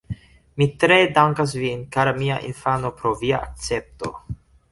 Mi tre dankas vin, kara mia infano pro via akcepto.